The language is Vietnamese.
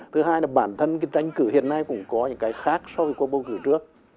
thứ hai là bản thân cái tranh cử hiện nay cũng có những cái khác so với cuộc bầu cử trước